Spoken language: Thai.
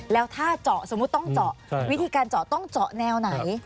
แล้วถ้าเจาะสมมุติต้องเจาะวิธีการเจาะต้องเจาะแนวไหน